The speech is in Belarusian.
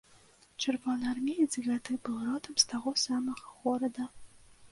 Чырвонаармеец гэты быў родам з таго самага горада.